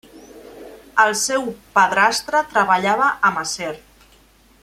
El seu padrastre treballava amb acer.